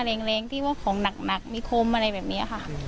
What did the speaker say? แรงที่ว่าของหนักมีคมอะไรแบบนี้ค่ะ